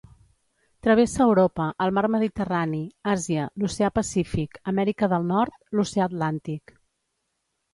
Travessa Europa, el Mar Mediterrani, Àsia, l'Oceà Pacífic, Amèrica del Nord l'oceà Atlàntic.